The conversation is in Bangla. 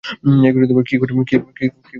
কী করে বলব তোমায়, বলো?